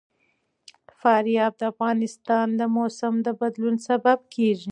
فاریاب د افغانستان د موسم د بدلون سبب کېږي.